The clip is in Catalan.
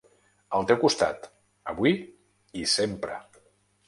Al teu costat, avui i sempre.